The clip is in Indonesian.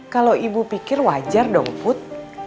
kalau ibu pikir wajar dong put